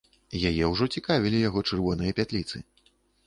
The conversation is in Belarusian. Яе ўжо цікавілі яго чырвоныя пятліцы.